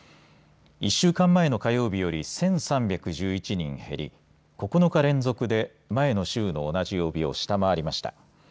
１週間前の火曜日より１３１１人減り、９日連続で前の週の同じ曜日を下回りました。